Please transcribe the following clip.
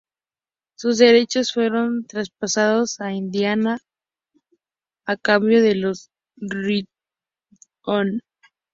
Sus derechos fueron traspasados a Indiana Pacers a cambio de los de Ryan Reid.